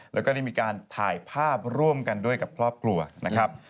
แล้วก็ได้มีการถ่ายภาพร่วมกันด้วยกับครอบครัวนะครับ